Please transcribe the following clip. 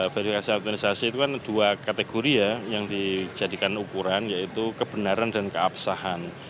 verifikasi administrasi itu kan dua kategori ya yang dijadikan ukuran yaitu kebenaran dan keabsahan